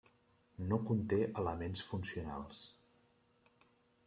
No conté elements funcionals.